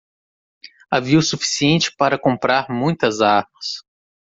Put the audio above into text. Havia o suficiente para comprar muitas armas.